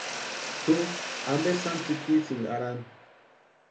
Tʼu ampe sáni tsitisïni arhani.